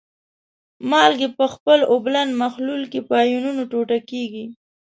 مالګې په خپل اوبلن محلول کې په آیونونو ټوټه کیږي.